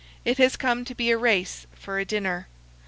It has come to be a race for a dinner.